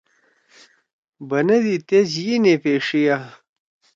بنَدی تیس یی نے پیݜیا۔